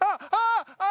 ああ！